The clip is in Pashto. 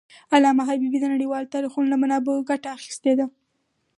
علامه حبيبي د نړیوالو تاریخونو له منابعو ګټه اخېستې ده.